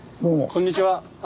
こんにちは。